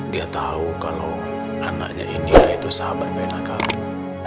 dia tau kalau anaknya ini lah itu sahabat benak kamu